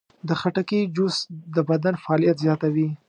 د خټکي جوس د بدن فعالیت زیاتوي.